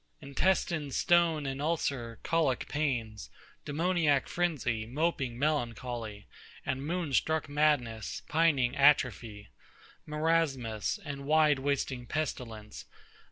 Intestine stone and ulcer, colic pangs, Demoniac frenzy, moping melancholy, And moon struck madness, pining atrophy, Marasmus, and wide wasting pestilence.